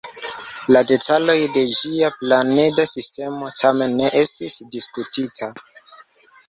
La detaloj de ĝia planeda sistemo, tamen, ne estis diskutita.